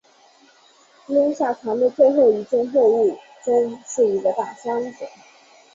扔下船的最后一件货物中是一个大箱子。